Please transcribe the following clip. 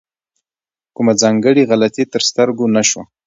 کومه ځانګړې غلطي تر سترګو نه شوه.